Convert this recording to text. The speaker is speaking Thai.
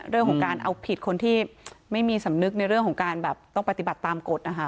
เรื่องของการเอาผิดคนที่ไม่มีสำนึกในเรื่องของการแบบต้องปฏิบัติตามกฎนะคะ